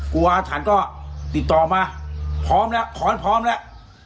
กลัวอาถรรพ์ก็ติดต่อมาพร้อมแล้วแล้ว